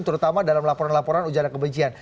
terutama dalam laporan laporan ujaran kebencian